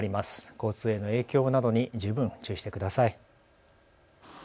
交通への影響などに十分注意してください。